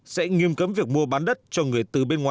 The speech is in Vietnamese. sẽ nghiêm cấm việc mua bán đất cho người từ bên ngoài